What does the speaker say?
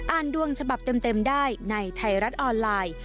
ดวงฉบับเต็มได้ในไทยรัฐออนไลน์